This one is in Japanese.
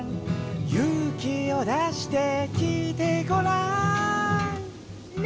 「ゆうきをだしてきいてごらん」ね